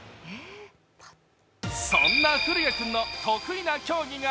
そんな降矢君の得意な競技が